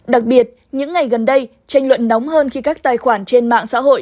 đặc biệt những ngày gần đây tranh luận nóng hơn khi các tài khoản trên mạng xã hội